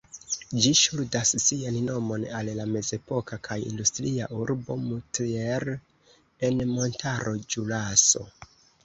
Ĝi ŝuldas sian nomon al la mezepoka kaj industria urbo Moutier en montaro Ĵuraso.